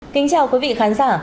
kính chào quý vị khán giả